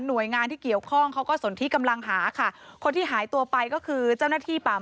หน่วยงานที่เกี่ยวข้องเขาก็สนที่กำลังหาค่ะ